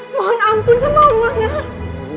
mohon ampun sama allah sehat